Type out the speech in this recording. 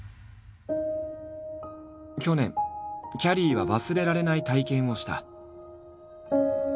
去年きゃりーは忘れられない体験をした。